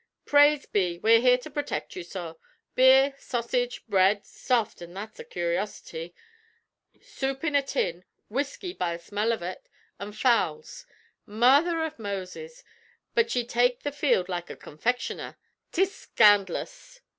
Praise be, we're here to protect you, sorr. Beer, sausage, bread (soft, an' that's a cur'osity), soup in a tin, whisky by the smell av ut, an' fowls. Mother av Moses, but ye take the field like a confectioner! 'Tis scand'lus."